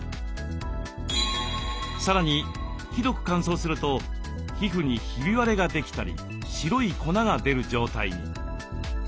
さらにひどく乾燥すると皮膚にひび割れができたり白い粉が出る状態に。